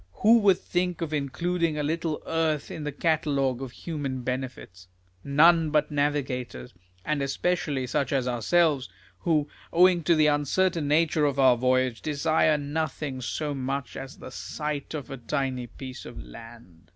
Who would think of including a little earth in the catalogue of human benefits ? None but navigators ; and especially such as ourselves, who, owing to the uncertain nature of our voyage, desire nothing so much as the sight of a tiny piece of land.